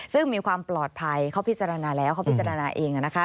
ซึ่งมีความปลอดภัยเขาพิจารณาแล้วเขาพิจารณาเอง